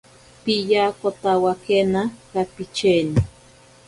Piyakotawakena kapicheni.